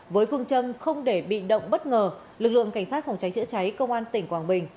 với phương châm không để bị động bất ngờ lực lượng cảnh sát phòng cháy chữa cháy công an tỉnh quảng bình